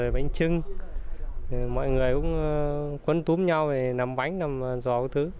bệnh trưng mọi người cũng quấn túm nhau nằm bánh nằm giò các thứ